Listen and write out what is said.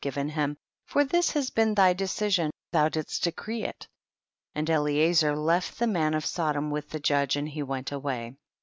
53 liavc given him, for lliis has been tliv decision, thou didsl decree it. 22. And Ehezer left the man of Sodom with the judge, and he went away. 23.